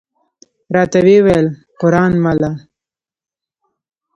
راته وې ویل: قران مله!